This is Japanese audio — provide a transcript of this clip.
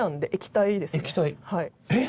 えっ！